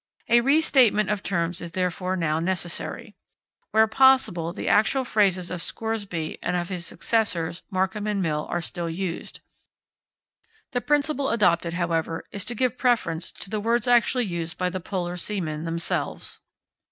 A restatement of terms is therefore now necessary. Where possible the actual phrases of Scoresby and of his successors, Markham and Mill, are still used. The principle adopted, however, is to give preference to the words actually used by the Polar seamen themselves.